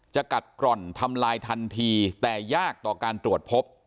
จะกัดกร่อนทำลายทันทีแต่ยากต่อการตรวจพบ